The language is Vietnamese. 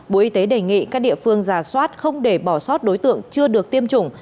bộ y tế đề nghị các địa phương giả soát không để bỏ sót đối tượng chưa được tiêm chủng